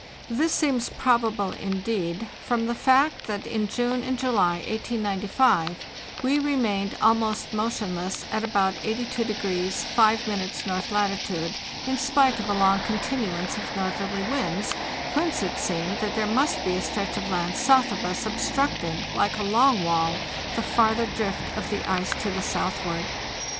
This seems probable, indeed, from the fact that in June and July, 1895, we remained almost motionless at about 82° 5' north latitude, in spite of a long con tinuance of northerly winds; whence it seemed that there must be a stretch of land south of us obstructing, like a long wall, the farther drift of the ice to the south ward.